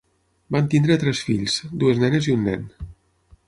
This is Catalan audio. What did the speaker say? Van tenir tres fills: dues nenes i un nen.